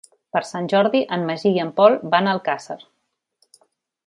Per Sant Jordi en Magí i en Pol van a Alcàsser.